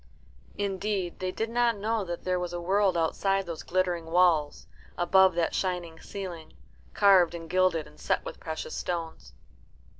Indeed, they did not know that there was a world outside those glittering walls, above that shining ceiling, carved and gilded and set with precious stones.